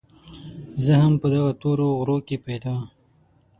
زه هم په دغه تورو غرو کې پيدا